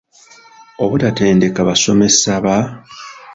Obutatendeka basomesa ba